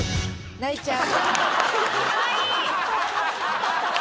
ないちゃう。